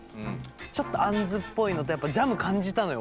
ちょっとあんずっぽいのとやっぱジャム感じたのよ